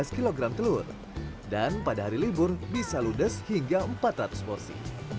lima belas kg telur dan pada hari libur bisa ludes hingga empat ratus porsi